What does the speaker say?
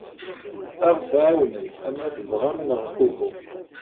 Ad aɣ-tɛawnem, ama tebɣam neɣ uhu.